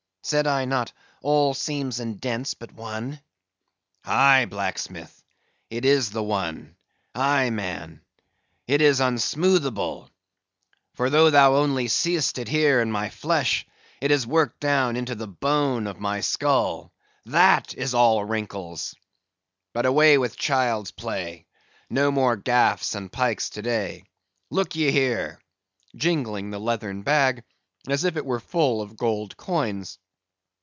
Said I not all seams and dents but one?" "Aye, blacksmith, it is the one; aye, man, it is unsmoothable; for though thou only see'st it here in my flesh, it has worked down into the bone of my skull—that is all wrinkles! But, away with child's play; no more gaffs and pikes to day. Look ye here!" jingling the leathern bag, as if it were full of gold coins.